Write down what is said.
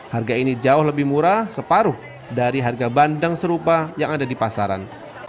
harga ini jauh lebih murah separuh dari harga bandang serupa yang ada di pasaran